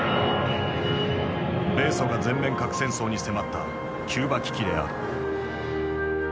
米ソが全面核戦争に迫ったキューバ危機である。